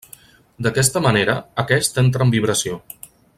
D'aquesta manera, aquest entra en vibració.